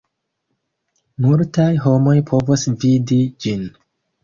Multaj homoj povos vidi ĝin.